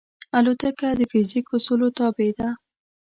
الوتکه د فزیک اصولو تابع ده.